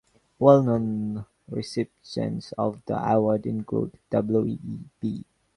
Well-known recipients of the award include: W. E. B.